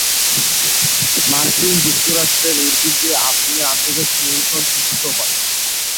মার্কিন যুক্তরাষ্ট্রের উদ্যোগে আফিমের আন্তর্জাতিক নিয়ন্ত্রণ সূচিত হয়।